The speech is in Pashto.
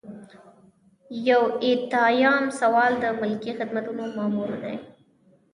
یو ایاتیام سوال د ملکي خدمتونو مامور دی.